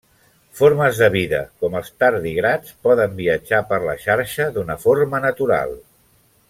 Formes de vida com els tardígrads poden viatjar per la xarxa d'una forma natural.